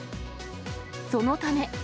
そのため。